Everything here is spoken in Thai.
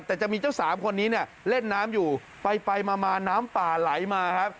แต่จะมีเจ้าสามคนนี้เนี่ยเล่นน้ำอยู่ไปมาน้ำป่าไหลมาครับ